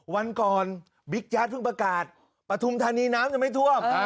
วันก่อนบิ๊กจ๊ดเพิ่งประกาศปฐุมธานีน้ำจะไม่ท่วม